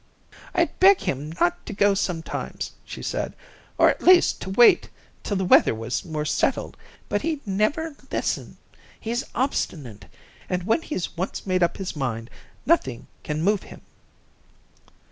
"I'd beg him not to go sometimes," she said, "or at least to wait till the weather was more settled, but he'd never listen. He's obstinate, and when he's once made up his mind, nothing can move him."